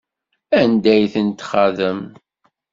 Anda ay ten-txaḍem?